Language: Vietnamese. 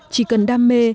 chỉ cần đam mê